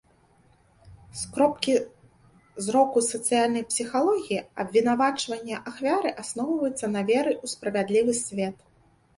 З кропкі зроку сацыяльнай псіхалогіі, абвінавачанне ахвяры асноўваецца на веры ў справядлівы свет.